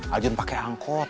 ajun pake angkot